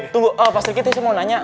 tunggu pak sri kiti saya mau nanya